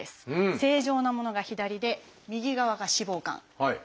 正常なものが左で右側が脂肪肝。